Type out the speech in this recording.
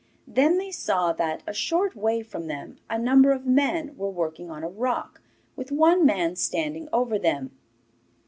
Then they saw that, a short way from them, a number of men were working on a rock, with one man standing over them.